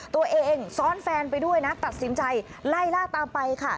ตัวเองซ้อนแฟนไปด้วยนะตัดสินใจไล่ล่าตามไปค่ะ